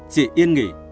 chị yên nghỉ